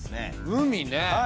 海ね。